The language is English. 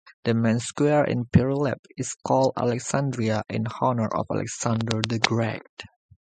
The main square in Prilep is called "Alexandria", in honor of Alexander the Great.